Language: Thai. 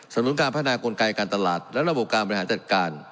นุนการพัฒนากลไกการตลาดและระบบการบริหารจัดการ